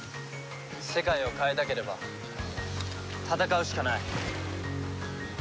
世界を変えたければ戦うしかない。